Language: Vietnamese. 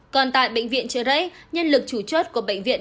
còn tại bệnh viện trời rấy nhân lực chủ chốt của bệnh viện